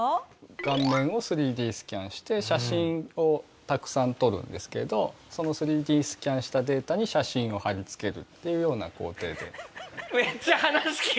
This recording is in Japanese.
顔面を３Ｄスキャンして写真をたくさん撮るんですけどその３Ｄスキャンしたデータに写真を貼り付けるっていうような工程で。